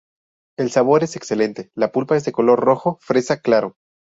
El sabor es excelente, la pulpa es de color rojo fresa claro.